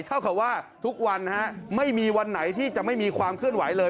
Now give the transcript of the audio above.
เท่ากับว่าทุกวันไม่มีวันไหนที่จะไม่มีความเคลื่อนไหวเลย